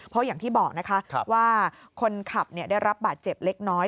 เพราะอย่างที่บอกนะคะว่าคนขับได้รับบาดเจ็บเล็กน้อย